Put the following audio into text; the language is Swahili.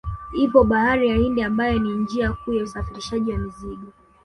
Ipo bahari ya Hindi ambayo ni njia kuu ya usafirishaji wa mizigo